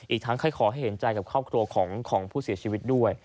อีกทั้งค่อยขอให้เห็นใจกับครอบครัวของผู้เสียชีวิตด้วย